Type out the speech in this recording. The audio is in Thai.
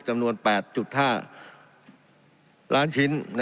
จำนวน๘๕ล้านชิ้น